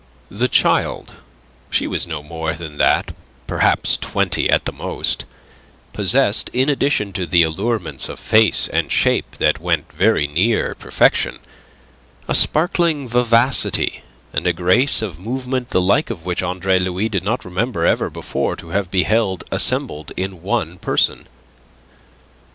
The child she was no more than that, perhaps twenty at the most possessed, in addition to the allurements of face and shape that went very near perfection, a sparkling vivacity and a grace of movement the like of which Andre Louis did not remember ever before to have beheld assembled in one person.